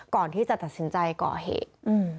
ก่อนที่จะตัดสินใจก่อเหตุ